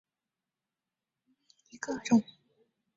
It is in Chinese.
川滇槲蕨为槲蕨科槲蕨属下的一个种。